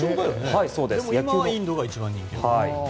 でも今はインドが一番人気。